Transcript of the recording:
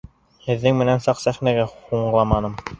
Һеҙҙең менән саҡ сәхнәгә һуңламаным!